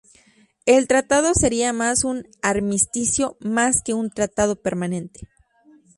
El tratado sería más un armisticio más que un tratado permanente.